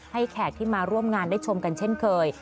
แขกที่มาร่วมงานได้ชมกันเช่นเคย